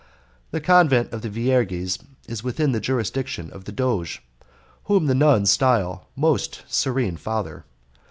The Convent of the Vierges is within the jurisdiction of the Doge, whom the nuns style "Most Serene Father."